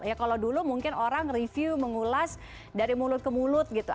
ya kalau dulu mungkin orang review mengulas dari mulut ke mulut gitu